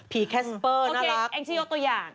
พี่แคสเปอร์น่ารักแอ้งจี้เอาตัวอย่าง